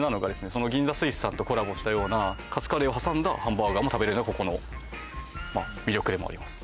その銀座スイスさんとコラボしたようなカツカレーを挟んだハンバーガーも食べれんのがここの魅力でもあります